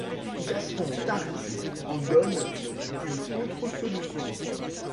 Gaston Tarry en donne une autre solution.